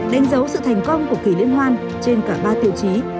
đánh dấu sự thành công của kỳ liên hoan trên cả ba tiêu chí